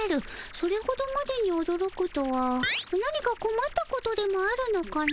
それほどまでにおどろくとは何かこまったことでもあるのかの？